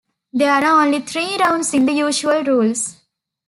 There are only three rounds in the usual rules.